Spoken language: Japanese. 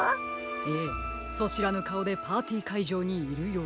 ええそしらぬかおでパーティーかいじょうにいるようです。